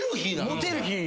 モテる日。